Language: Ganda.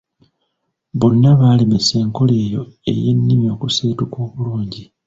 Bonna balemesa enkola eyo ey’ennimi okuseetuka obululngi.